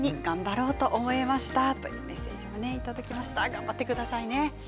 頑張ってくださいね。